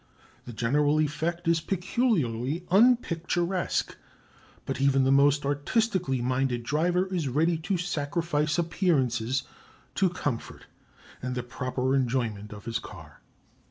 The general effect is peculiarly unpicturesque; but even the most artistically minded driver is ready to sacrifice appearances to comfort and the proper enjoyment of his car.